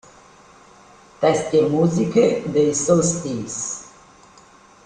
Testi e musiche dei Solstice.